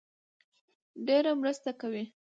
ډېره مرسته کوي